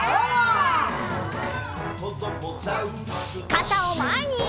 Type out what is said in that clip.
かたをまえに！